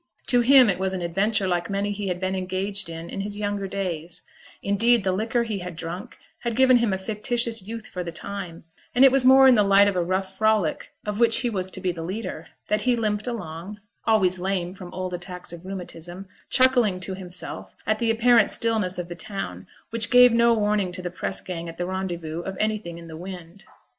To him it was an adventure like many he had been engaged in in his younger days; indeed, the liquor he had drunk had given him a fictitious youth for the time; and it was more in the light of a rough frolic of which he was to be the leader, that he limped along ( always lame from old attacks of rheumatism), chuckling to himself at the apparent stillness of the town, which gave no warning to the press gang at the Rendezvous of anything in the wind.